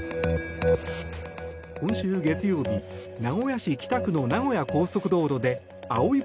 今週月曜日、名古屋市北区の名古屋高速道路であおい